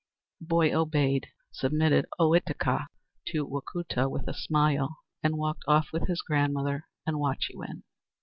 The boy obeyed, submitted Ohitika to Wacoota with a smile, and walked off with his grandmother and Wahchewin.